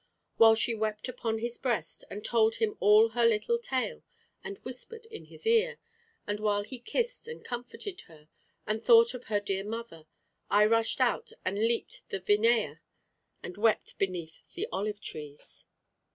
While she wept upon his breast, and told him all her little tale, and whispered in his ear, and while he kissed, and comforted her, and thought of her dear mother, I rushed out and leaped the Vinea, and wept beneath the olive trees.